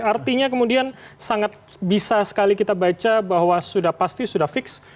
artinya kemudian sangat bisa sekali kita baca bahwa sudah pasti sudah fix